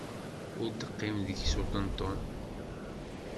Ur d-iqqim deg-s uṭenṭun.